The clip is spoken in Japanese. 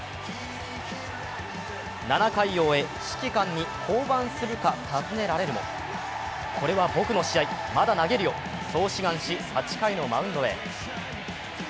７回を終え、指揮官に降板するか尋ねられるもこれは僕の試合、まだ投げるよ、そう志願し、８回のマウンドへ。